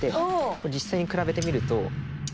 これ実際に比べてみると。